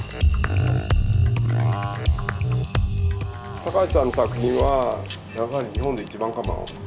高橋さんの作品はやはり日本で一番かな。